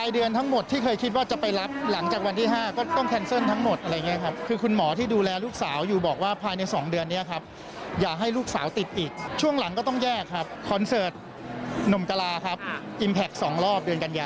เดี๋ยวไปฟังรายละเอียดทั้งหมดจากพี่หนุ่มวงกราศเลยค่ะ